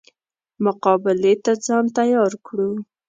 مقابلې ته ځان تیار کړو.